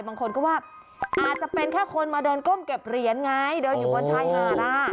บางคนก็ว่าอาจจะเป็นแค่คนมาเดินก้มเก็บเหรียญไงเดินอยู่บนชายหาด